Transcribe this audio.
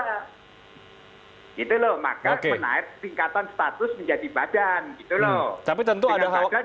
hai itu loh maka kemenarik tingkatan status menjadi badan itu loh tapi tentu ada hal